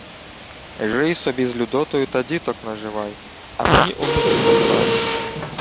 — Жий собі з Людотою та діток наживай, а мені онуків на старість.